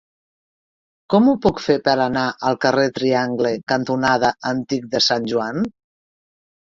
Com ho puc fer per anar al carrer Triangle cantonada Antic de Sant Joan?